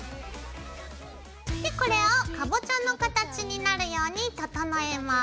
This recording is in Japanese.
でこれをかぼちゃの形になるように整えます。